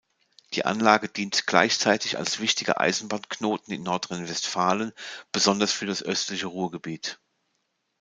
Die Anlage dient gleichzeitig als wichtiger Eisenbahnknoten in Nordrhein-Westfalen, besonders für das östliche Ruhrgebiet.